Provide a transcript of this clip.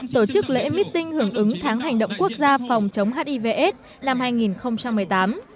tổ chức lễ meeting hưởng ứng tháng hành động quốc gia phòng chống hiv aids năm hai nghìn một mươi tám